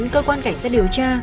cơ quan cảnh sát điều tra